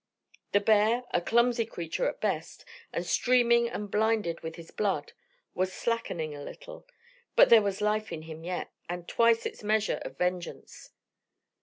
The bear, a clumsy creature at best, and streaming and blinded with his blood, was slackening a little, but there was life in him yet, and twice its measure of vengeance.